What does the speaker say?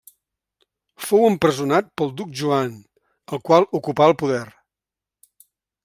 Fou empresonat pel Duc Joan, el qual ocupà el poder.